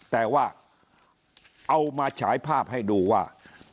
แต่ว่าเอามาฉายภาพให้ดูว่า